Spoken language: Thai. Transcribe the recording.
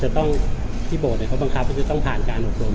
ต้องที่โบสถเขาบังคับว่าจะต้องผ่านการอบรม